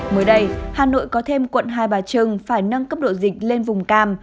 mới đây hà nội có thêm quận hai bà trưng phải nâng cấp độ dịch lên vùng cam